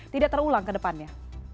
tidak terulang ke depannya